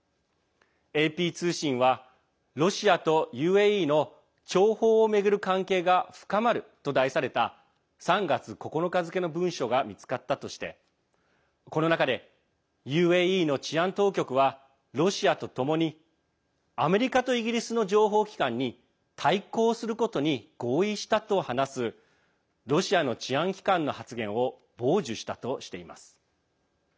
ＡＰ通信は、ロシアとＵＡＥの諜報を巡る関係が深まると題された３月９日付の文書が見つかったとしてこの中で、ＵＡＥの治安当局はロシアとともにアメリカとイギリスの情報機関に対抗することに合意したと話すロシアの治安機関の発言を傍受したとしています。